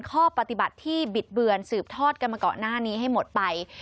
ข้อปฏิบัติที่บิดเบือนสืบทอดกันมาก่อนหน้านี้ให้หมดไป